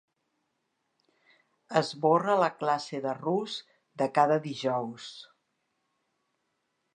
Esborra la classe de rus de cada dijous.